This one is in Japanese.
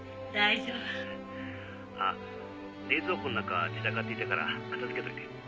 ☎あっ冷蔵庫の中散らかっていたから片付けといて